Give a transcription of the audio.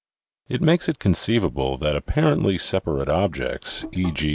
It makes it conceivable that apparently separate objects, e.